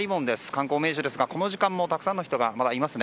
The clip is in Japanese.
観光名所ですがこの時間もたくさんの人がいます。